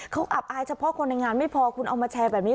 เขาอับอายเฉพาะคนในงานไม่พอคุณเอามาแชร์แบบนี้